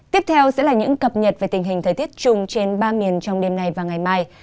tiếp theo sẽ là những cập nhật về tình hình thời tiết chung trên ba miền trong đêm nay và ngày mai